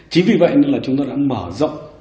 chính vì vậy là chúng tôi đã mở rộng